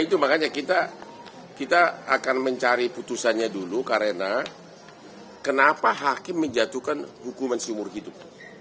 itu makanya kita akan mencari putusannya dulu karena kenapa hakim menjatuhkan hukuman seumur hidup